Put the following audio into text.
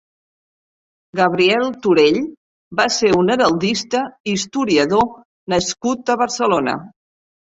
Gabriel Turell va ser un heraldista i historiador nascut a Barcelona.